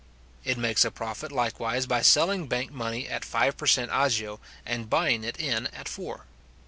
It makes a profit, likewise, by selling bank money at five per cent. agio, and buying it in at four.